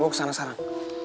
gue kesana sekarang